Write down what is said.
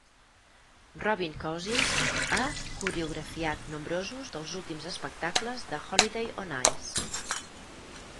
Robin Cousins ha coreografiat nombrosos dels últims espectacles de Holiday on Ice.